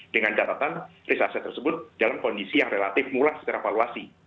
dengan catatan risk asset tersebut dalam kondisi yang relatif mulai secara valuasi